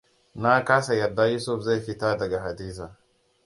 Na kasa yarda Yusuf zai fita da Hadiza.